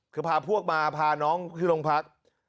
คือพาพวกมาพาน้องที่โรงพัก